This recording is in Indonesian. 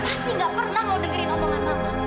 papa sih tidak pernah mau dengerin omongan mama